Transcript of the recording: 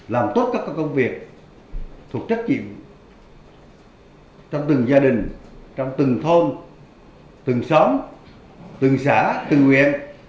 làm tốt các công việc thuộc trách nhiệm trong từng gia đình trong từng thôn từng xóm từng xã từng nguyện